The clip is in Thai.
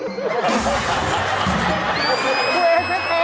ตัวเองแท้